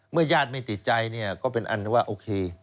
ญาติไม่ติดใจเนี่ยก็เป็นอันว่าโอเค